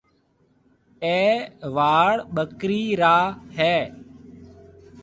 اَي واڙ ٻڪريِ را هيَ۔